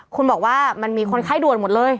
คุณบอกว่ามันมีคนไข้ด่วนหมดเลย